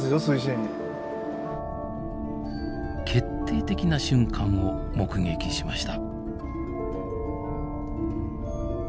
決定的な瞬間を目撃しました。